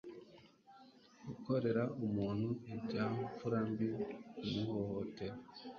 gukorera umuntu ibya mfura mbi kumuhohotera